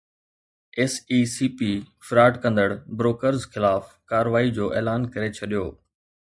S E C P فراڊ ڪندڙ brokers خلاف ڪارروائي جو اعلان ڪري ڇڏيو